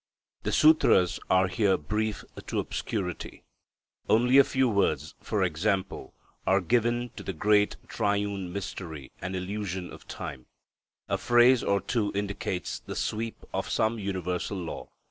The Sutras are here brief to obscurity; only a few words, for example, are given to the great triune mystery and illusion of Time; a phrase or two indicates the sweep of some universal law.